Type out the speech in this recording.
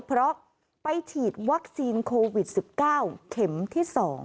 เพราะไปฉีดวัคซีนโควิด๑๙เข็มที่๒